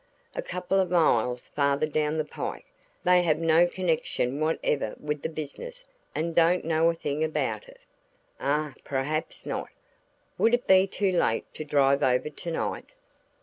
"A couple of miles farther down the pike they have no connection whatever with the business, and don't know a thing about it." "Ah perhaps not. Would it be too late to drive over to night?"